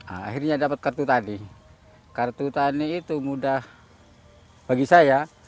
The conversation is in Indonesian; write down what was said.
akhirnya dapat kartu tadi kartu tani itu mudah bagi saya